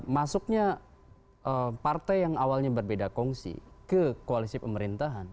masuknya partai yang awalnya berbeda kongsi ke koalisi pemerintahan